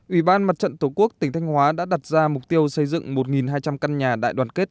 ubnd tổ quốc tỉnh thanh hóa đã đặt ra mục tiêu xây dựng một hai trăm linh căn nhà đại đoàn kết